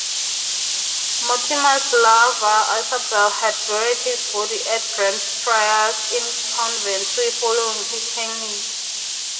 Mortimer's lover Isabella had buried his body at Greyfriars in Coventry following his hanging.